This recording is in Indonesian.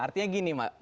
artinya gini mak